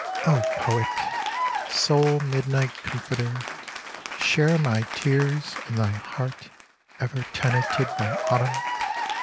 '* O Poet, sole midnight cornforter, share my tears in thy heart ever tenanted by Autumn